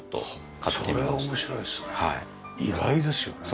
意外ですよね。